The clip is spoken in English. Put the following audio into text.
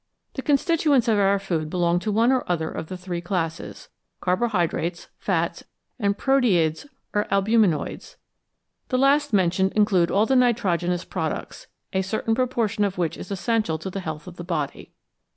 The constituents of our food belong to one or other of the three classes carbohydrates, fats, and proteids or albuminoids. The last mentioned include all the nitro genous products, a certain proportion of which is essential to the health of the body.